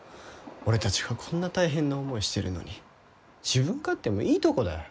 俺たちがこんな大変な思いしてるのに自分勝手もいいとこだよ。